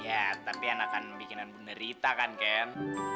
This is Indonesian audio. ya tapi enakan bikinan ibu narita kan ken